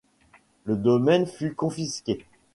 Le domaine fut confisqué.